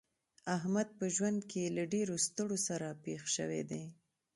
احمد په ژوند کې له ډېرو ستړو سره پېښ شوی دی.